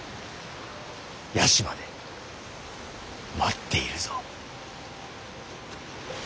屋島で待っているぞ。